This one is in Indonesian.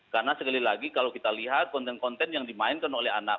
karena sekali lagi kalau kita lihat konten konten yang dimainkan oleh anak